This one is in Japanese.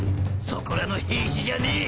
そこらの兵士じゃねえ。